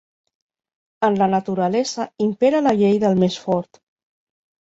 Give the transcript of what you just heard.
En la naturalesa impera la llei del més fort.